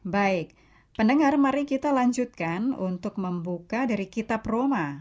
baik pendengar mari kita lanjutkan untuk membuka dari kitab roma